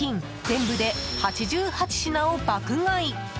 全部で８８品を爆買い。